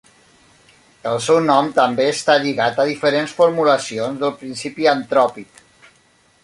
El seu nom també està lligat a diferents formulacions del principi antròpic.